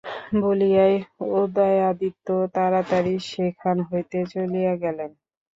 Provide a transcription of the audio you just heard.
বলিয়াই উদয়াদিত্য তাড়াতাড়ি সেখান হইতে চলিয়া গেলেন।